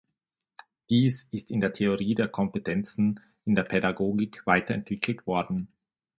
Dies ist in der Theorie der Kompetenzen in der Pädagogik weiterentwickelt worden.